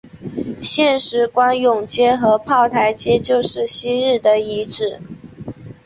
现时官涌街和炮台街就是昔日的遗址。